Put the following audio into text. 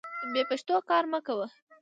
بې پښتو کار مه کوه.